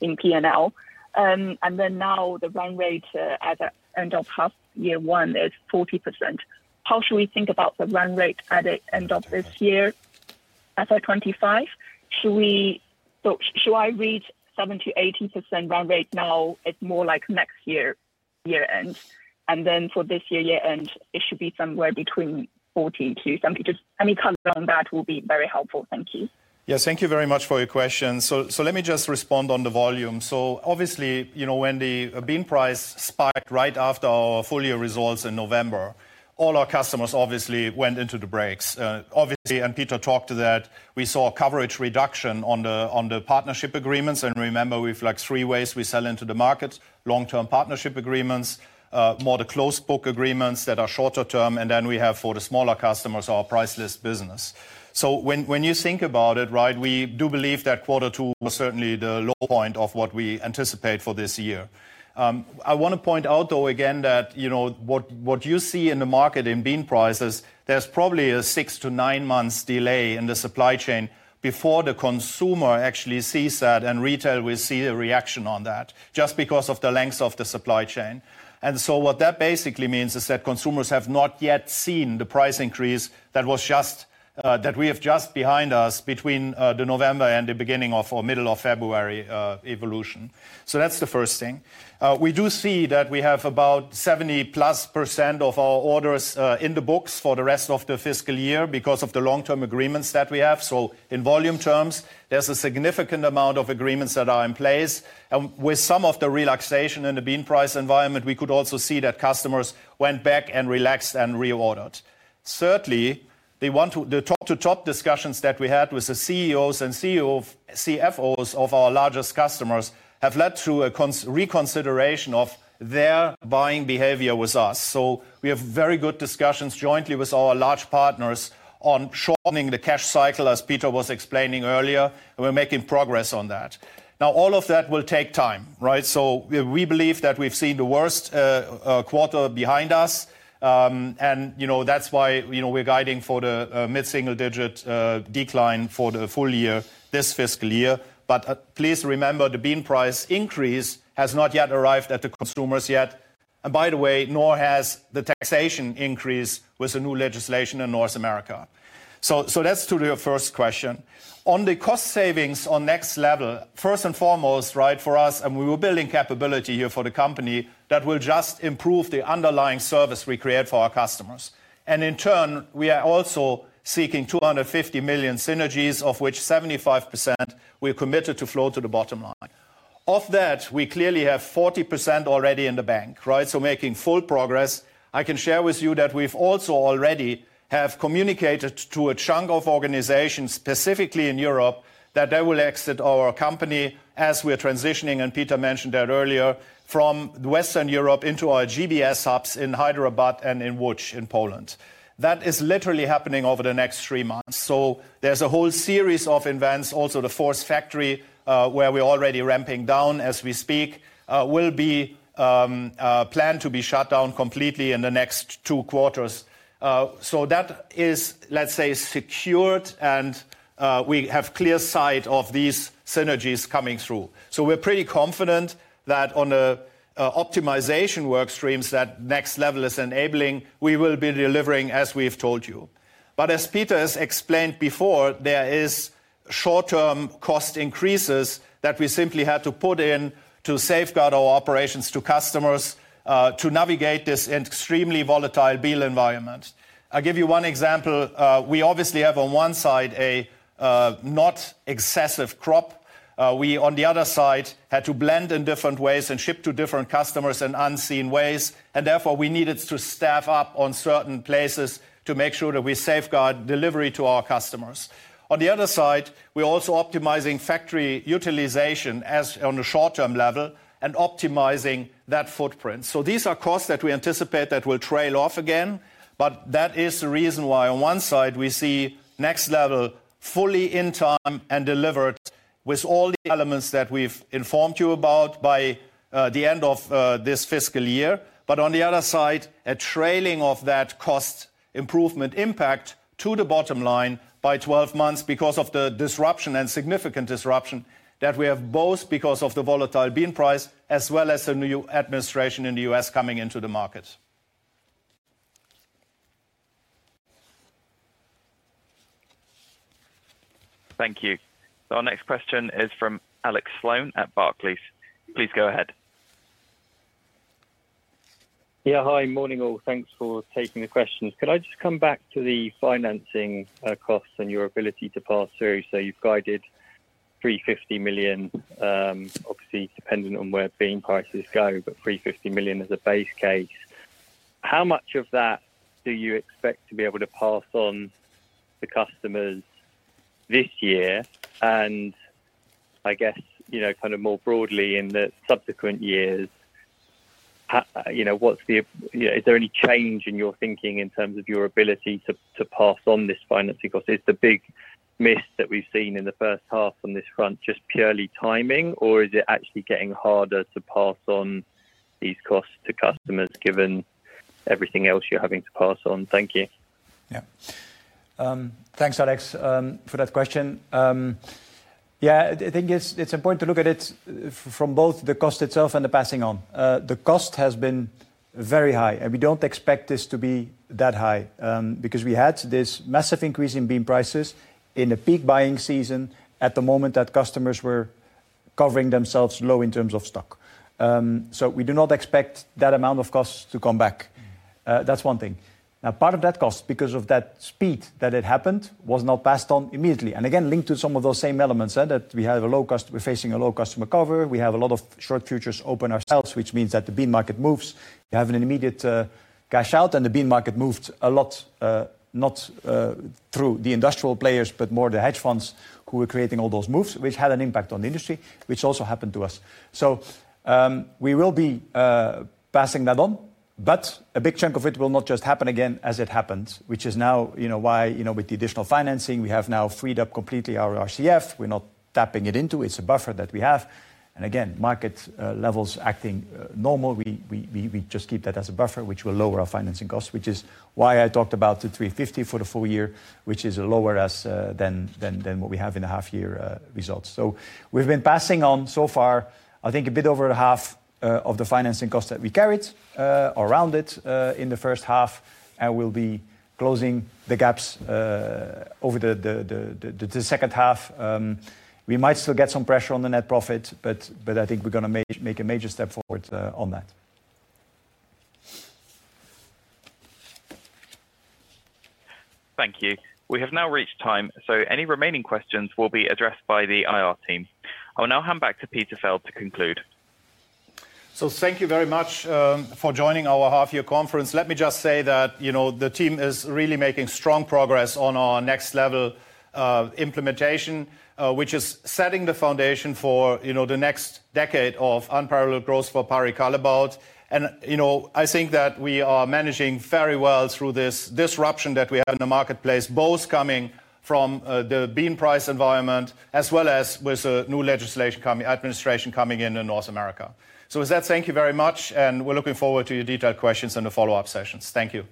in P&L. Now the run rate at the end of half year one is 40%. How should we think about the run rate at the end of this year? At 25, should I read 70-80% run rate now? It's more like next year, year-end. For this year, year-end, it should be somewhere between 40-70. Just any comment on that will be very helpful. Thank you. Yes, thank you very much for your question. Let me just respond on the volume. Obviously, when the bean price spiked right after our full year results in November, all our customers obviously went into the brakes. Obviously, and Peter talked to that, we saw a coverage reduction on the partnership agreements. Remember, we have three ways we sell into the market: long-term partnership agreements, more the closed book agreements that are shorter term, and then we have for the smaller customers our priceless business. When you think about it, we do believe that quarter two was certainly the low point of what we anticipate for this year. I want to point out though again that what you see in the market in bean prices, there's probably a six to nine months delay in the supply chain before the consumer actually sees that, and retail will see a reaction on that just because of the length of the supply chain. What that basically means is that consumers have not yet seen the price increase that we have just behind us between the November and the beginning of or middle of February evolution. That's the first thing. We do see that we have about 70% plus of our orders in the books for the rest of the fiscal year because of the long-term agreements that we have. In volume terms, there's a significant amount of agreements that are in place. With some of the relaxation in the bean price environment, we could also see that customers went back and relaxed and reordered. Certainly, the top-to-top discussions that we had with the CEOs and CFOs of our largest customers have led to a reconsideration of their buying behavior with us. We have very good discussions jointly with our large partners on shortening the cash cycle, as Peter was explaining earlier, and we are making progress on that. All of that will take time, right? We believe that we have seen the worst quarter behind us. That is why we are guiding for the mid-single digit decline for the full year this fiscal year. Please remember, the bean price increase has not yet arrived at the consumers yet. By the way, nor has the taxation increase with the new legislation in North America. That is to your first question. On the cost savings on next level, first and foremost, right, for us, and we were building capability here for the company that will just improve the underlying service we create for our customers. In turn, we are also seeking $250 million synergies, of which 75% we're committed to flow to the bottom line. Of that, we clearly have 40% already in the bank, right? Making full progress. I can share with you that we've also already communicated to a chunk of organizations specifically in Europe that they will exit our company as we're transitioning, and Peter mentioned that earlier, from Western Europe into our GBS hubs in Łódź and in Chybie in Poland. That is literally happening over the next three months. There is a whole series of events. Also, the Force Factory, where we're already ramping down as we speak, will be planned to be shut down completely in the next two quarters. That is, let's say, secured, and we have clear sight of these synergies coming through. We're pretty confident that on the optimization workstreams that next level is enabling, we will be delivering as we've told you. As Peter has explained before, there are short-term cost increases that we simply had to put in to safeguard our operations to customers to navigate this extremely volatile bean environment. I'll give you one example. We obviously have on one side a not excessive crop. We, on the other side, had to blend in different ways and ship to different customers in unseen ways. Therefore, we needed to staff up on certain places to make sure that we safeguard delivery to our customers. On the other side, we're also optimizing factory utilization as on the short-term level and optimizing that footprint. These are costs that we anticipate that will trail off again. That is the reason why on one side we see next level fully in time and delivered with all the elements that we've informed you about by the end of this fiscal year. On the other side, a trailing of that cost improvement impact to the bottom line by 12 months because of the disruption and significant disruption that we have both because of the volatile bean price as well as the new administration in the U.S. coming into the market. Thank you. Our next question is from Alex Sloane at Barclays. Please go ahead. Yeah, hi, morning all. Thanks for taking the questions. Could I just come back to the financing costs and your ability to pass through? You have guided 350 million, obviously dependent on where bean prices go, but 350 million as a base case. How much of that do you expect to be able to pass on to customers this year? I guess kind of more broadly in the subsequent years, is there any change in your thinking in terms of your ability to pass on this financing cost? Is the big miss that we have seen in the first half on this front just purely timing, or is it actually getting harder to pass on these costs to customers given everything else you are having to pass on? Thank you. Yeah. Thanks, Alex, for that question. Yeah, I think it is important to look at it from both the cost itself and the passing on. The cost has been very high, and we do not expect this to be that high because we had this massive increase in bean prices in the peak buying season at the moment that customers were covering themselves low in terms of stock. We do not expect that amount of costs to come back. That is one thing. Now, part of that cost, because of that speed that it happened, was not passed on immediately. Again, linked to some of those same elements, that we have a low cost, we're facing a low customer cover, we have a lot of short futures open ourselves, which means that the bean market moves, you have an immediate cash out, and the bean market moved a lot, not through the industrial players, but more the hedge funds who were creating all those moves, which had an impact on the industry, which also happened to us. We will be passing that on, but a big chunk of it will not just happen again as it happened, which is now why with the additional financing, we have now freed up completely our RCF. We're not tapping into it. It's a buffer that we have. Again, market levels acting normal. We just keep that as a buffer, which will lower our financing costs, which is why I talked about the 350 for the full year, which is lower than what we have in the half-year results. We have been passing on so far, I think a bit over half of the financing costs that we carried around it in the first half, and we will be closing the gaps over the second half. We might still get some pressure on the net profit, but I think we are going to make a major step forward on that. Thank you. We have now reached time. Any remaining questions will be addressed by the IR team. I will now hand back to Peter Feld to conclude. Thank you very much for joining our half-year conference. Let me just say that the team is really making strong progress on our next level implementation, which is setting the foundation for the next decade of unparalleled growth for Barry Callebaut. I think that we are managing very well through this disruption that we have in the marketplace, both coming from the bean price environment as well as with the new legislation administration coming in in North America. With that, thank you very much, and we are looking forward to your detailed questions in the follow-up sessions. Thank you.